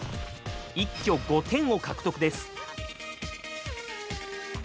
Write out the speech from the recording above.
一挙５点を獲得です。